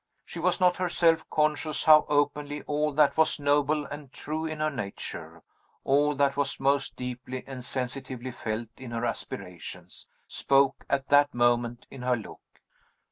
She was not herself conscious how openly all that was noble and true in her nature, all that was most deeply and sensitively felt in her aspirations, spoke at that moment in her look.